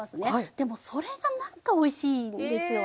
でもそれが何かおいしいんですよね。